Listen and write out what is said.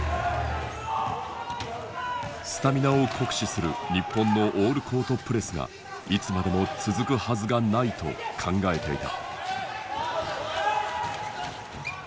スタミナを酷使する日本のオールコートプレスがいつまでも続くはずがないと考えていた。